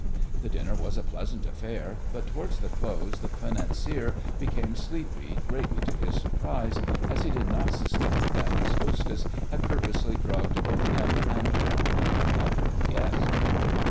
The dinner was a pleasant affair, but towards the close the financier became sleepy, greatly to his surprise, as he did not suspect that his hostess had purposely drugged both him and her only other guest.